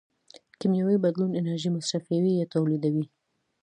کیمیاوي بدلون انرژي مصرفوي یا تولیدوي.